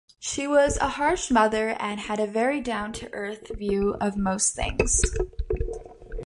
She was a harsh mother, and had a very down-to-earth view of most things.